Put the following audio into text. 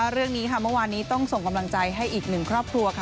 เรื่องนี้ค่ะเมื่อวานนี้ต้องส่งกำลังใจให้อีกหนึ่งครอบครัวค่ะ